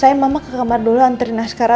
sayang mama ke kamar dulu antarin askarah